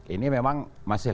ini memang masih